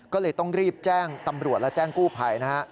ก็เลยต้องรีบแจ้งตำรวจและแจ้งกู้ภัยนะฮะ